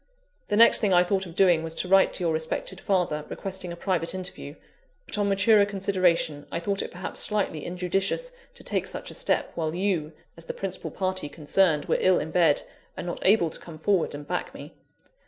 The next thing I thought of doing was to write to your respected father, requesting a private interview. But on maturer consideration, I thought it perhaps slightly injudicious to take such a step, while you, as the principal party concerned, were ill in bed, and not able to come forward and back me.